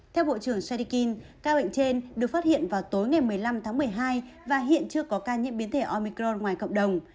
theo bộ trưởng sydikin ca bệnh trên được phát hiện vào tối ngày một mươi năm tháng một mươi hai và hiện chưa có ca nhiễm biến thể omicron ngoài cộng đồng